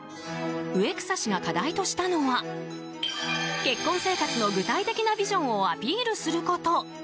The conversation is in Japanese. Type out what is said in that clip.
植草氏が課題としたのは結婚生活の具体的なビジョンをアピールすること。